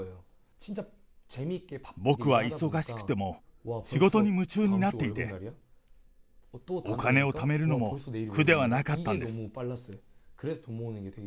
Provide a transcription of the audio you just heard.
僕は忙しくても仕事に夢中になっていて、お金をためるのも苦ではなかったんです。